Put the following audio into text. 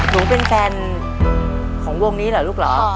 หนูเป็นแฟนของวงนี้เหรอลูกเหรอ